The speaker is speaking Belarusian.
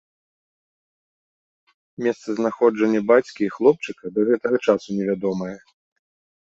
Месцазнаходжанне бацькі і хлопчыка да гэтага часу невядомае.